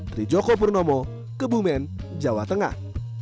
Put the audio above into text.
trijoko purnomo kebumen jawa tengah